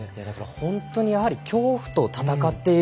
本当に、やはり恐怖と戦っている。